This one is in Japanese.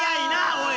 おい！